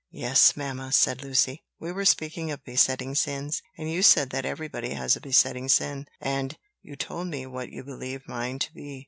"Yes, mamma," said Lucy; "we were speaking of besetting sins, and you said that everybody has a besetting sin, and you told me what you believed mine to be."